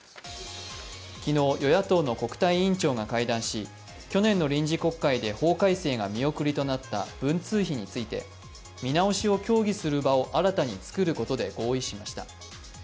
昨日、与野党の国対委員長が会談し、去年の臨時国会で法改正が見送りとなった文通費について見直しを協議する場を新たに作ることで合意しました。